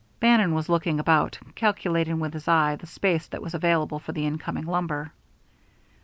Bannon was looking about, calculating with his eye the space that was available for the incoming lumber.